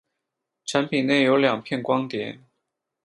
产品内有两片光碟。